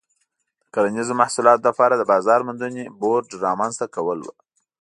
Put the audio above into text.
د کرنیزو محصولاتو لپاره د بازار موندنې بورډ رامنځته کول و.